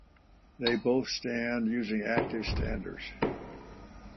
They both stand using active standers.